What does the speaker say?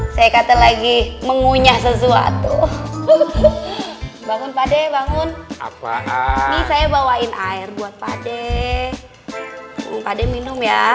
saya kata lagi mengunyah sesuatu bangun pade bangun apa ini saya bawain air buat pade pade minum ya